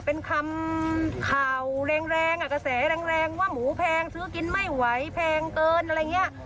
เป็นคำข่าวแรงแรงกระแสแรงว่าหมูแพงซื้อกินไม่ไหวแพงเกินอะไรอย่างนี้